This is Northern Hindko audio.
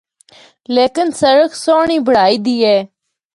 لیکن سڑک سہنڑی بنڑائی دی اے۔